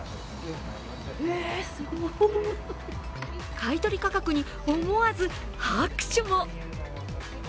買い取り価格に思わず拍手も。